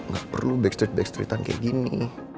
ga perlu backstreet backstreethan kayak gini